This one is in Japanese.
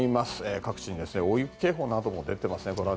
各地に大雪警報なども出ています。